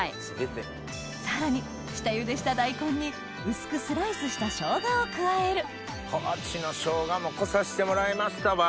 さらに下茹でした大根に薄くスライスしたショウガを加える高知のショウガも来さしてもらいましたわ。